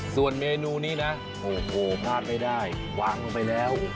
ส่วนเมนูนี้นะโทษพลาดไม่ได้ว้างออกไปแล้ว